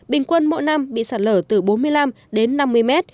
bình quân mỗi năm bị sạt lở từ bốn mươi năm đến năm mươi mét